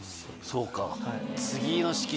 そうか。